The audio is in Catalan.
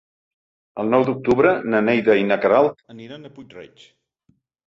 El nou d'octubre na Neida i na Queralt aniran a Puig-reig.